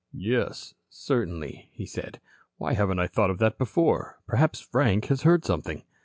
"Yes, certainly," he said. "Why haven't I thought of that before? Perhaps Frank has heard something."